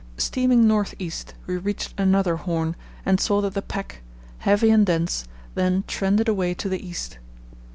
Steaming north east, we reached another horn and saw that the pack, heavy and dense, then trended away to the east.